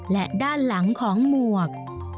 และด้านหลังของหมวก